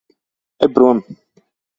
Ej prom.